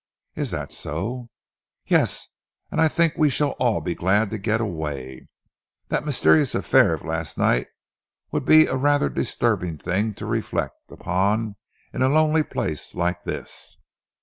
"Is that so?" "Yes, and I think we shall all be glad to get away. That mysterious affair of last night would be rather a disturbing thing to reflect upon in a lonely place like this."